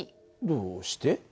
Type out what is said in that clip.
どうして？